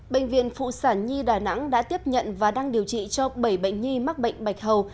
bệnh viện phụ sản nhi đà nẵng đã tiếp nhận và đang điều trị cho bảy bệnh nhi mắc bệnh bạch hầu